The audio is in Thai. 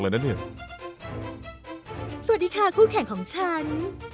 สวัสดีค่ะคู่แข่งของฉัน